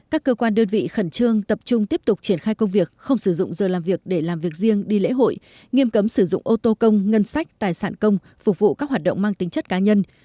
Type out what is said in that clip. các cơ quan đơn vị khẩn trương tập trung tiếp tục triển khai công việc không sử dụng giờ làm việc để làm việc riêng đi lễ hội nghiêm cấm sử dụng ô tô công ngân sách tài sản công phục vụ các hoạt động mang tính chất cá nhân